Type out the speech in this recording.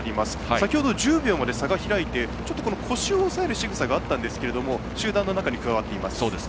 先ほど、１０秒まで差が開いて、ちょっと腰を押さえるしぐさがあったんですが集団の中に加わっています。